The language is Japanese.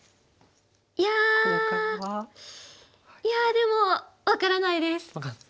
いやでも分からないです。